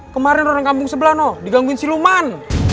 kemarin orang kampung sebelah no digangguin si luman